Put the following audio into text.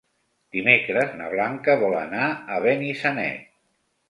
Dimecres na Blanca vol anar a Benissanet.